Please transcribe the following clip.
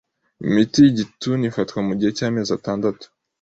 Imiti y’igituntu ifatwa mu gihe cy’amezi atandatu